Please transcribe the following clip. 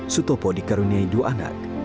sutopo di karuniai dua anak